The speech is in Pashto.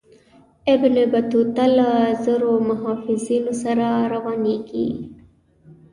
ابن بطوطه له زرو محافظینو سره روانیږي.